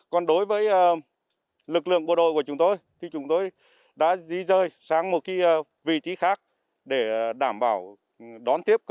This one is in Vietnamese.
còn đối với lực lượng bộ đội của chúng tôi chúng tôi đã dí rơi sang một vị trí khác để đảm bảo đón tiếp